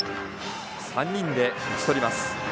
３人で打ち取ります。